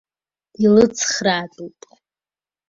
Илыцхраатәуп!